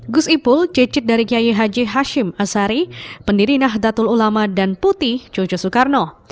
gusipul cecit dari kiai haji hashim asari pendiri nahdlatul ulama dan putih cucu soekarno